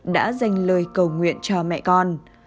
đã dành lời cầu nguyện cho mẹ con